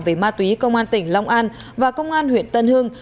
về ma túy công an tỉnh long an và công an huyện tân hưng